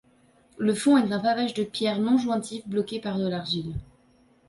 Le fond est un pavage de pierres non jointives, bloquées par de l'argile.